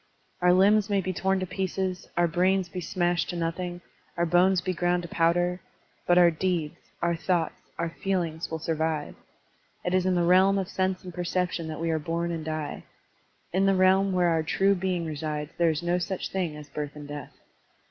Qur limbs may be torn to pieces, our brains be smashed to nothing, our bones be groimd to powder; but our deeds, our thoughts, our feel ings will survive. It is in the realm of sense and perception that we are bom and die. In the realm where our true being resides there is no such thing as birth and death.